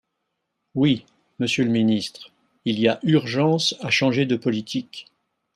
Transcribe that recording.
Oui, monsieur le ministre, il y a urgence à changer de politique.